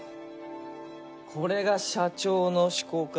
これが社長の趣向か。